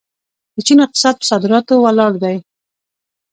د چین اقتصاد په صادراتو ولاړ دی.